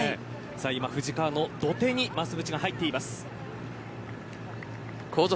今、富士川の土手に増渕が入っています。